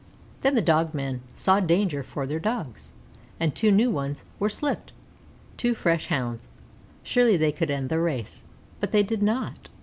Then the dog men saw danger for their Dogs, and two new ones were slipped two fresh Hounds; surely they could end the race. But they did not.